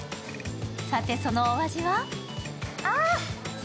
さてそのお味は？